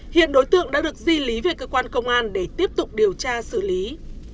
hiện đối tượng đã được di lý về cơ quan công an để tiếp tục điều tra xử lý